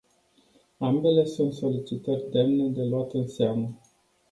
Ambele sunt solicitări demne de luat în seamă.